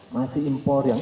masih impor ya